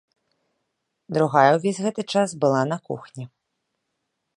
Другая ўвесь гэты час была на кухні.